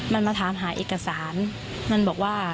มันมาถามหาเอกสารมันบอกว่า